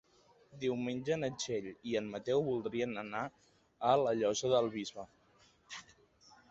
Diumenge na Txell i en Mateu voldrien anar a la Llosa del Bisbe.